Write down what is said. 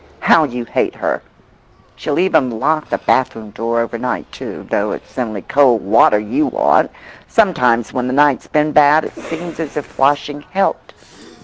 How you hate her! She'll even lock the bathroom door overnight, too, though it's only cold water you want, and sometimes when the night's been bad it seems as if washing helped.